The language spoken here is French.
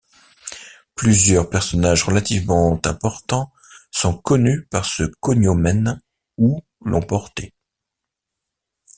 Plusieurs personnages relativement importants sont connus par ce cognomen ou l’ont porté.